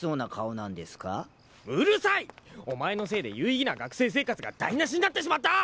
お前のせいで有意義な学生生活が台無しになってしまった！